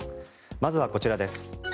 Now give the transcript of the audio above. まずはこちらです。